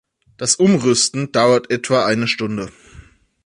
Das Umrüsten dauert etwa eine Stunde.